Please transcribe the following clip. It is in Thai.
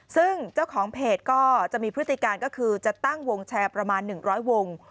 ซึ่งเจ้าของเพจก็จะมีพฤติการก็คือจะตั้งวงแชร์ประมาณ๑๐๐วง